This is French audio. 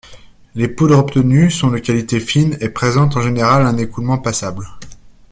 Les poudres obtenues sont de qualité fine et présentent en général un écoulement passable.